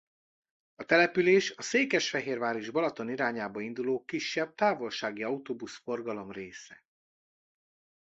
A település a Székesfehérvár és Balaton irányába induló kisebb távolsági autóbusz forgalom része.